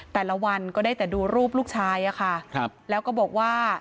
แต่ละวันก็ได้แต่ดูรูปลูกชายอะค่ะครับแล้วก็บอกว่า